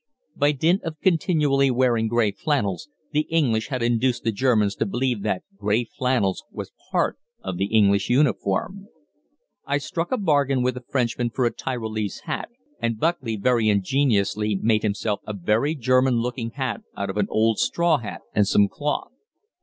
By dint of continually wearing grey flannels, the English had induced the Germans to believe that gray flannels was part of the English uniform. I struck a bargain with a Frenchman for a Tyrolese hat, and Buckley very ingeniously made himself a very German looking hat out of an old straw hat and some cloth.